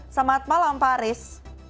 selamat malam pak aris